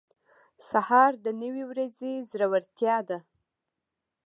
سهار د نوې ورځې زړورتیا ده.